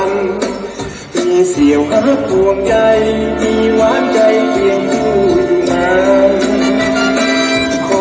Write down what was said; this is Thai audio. มีเสียวหักห่วงใยมีหวานใยเพียงผู้หญิงมาก